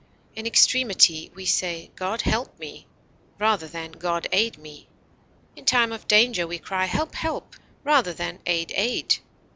In extremity we say "God help me!" rather than "God aid me!" In time of danger we cry "help! help!" rather than "_aid! aid!